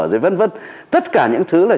rồi vân vân tất cả những thứ là